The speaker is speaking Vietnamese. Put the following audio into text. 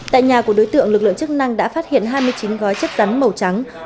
tại nhà của đối tượng lực lượng chức năng đã phát hiện hai mươi chín gói chất rắn màu trắng